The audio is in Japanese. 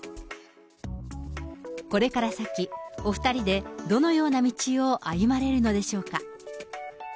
これから先、お２人でどのような道を歩まれるのでしょうか。